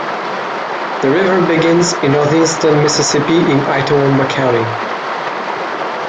The river begins in northeastern Mississippi in Itawamba County.